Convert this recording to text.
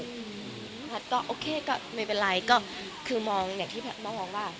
ฉันก็โอเคก็ไม่เป็นไรก็คือมองเนี้ยที่แพทย์มองว่า